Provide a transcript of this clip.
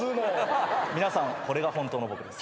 皆さんこれが本当の僕です。